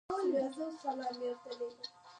له ده وروسته زوی یې تهماسب د ایران ټولواک شو.